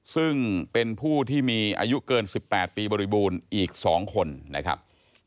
ซึ่งเป็นผู้ที่มีอายุเกิน๑๘ปีบริบูรณ์อีก๒คนนะครับ